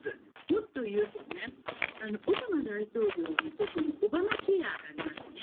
もっと言うとオバマ大統領のときのオバマケアがありますね。